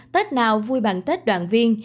tết nào vui bằng tết đoàn viên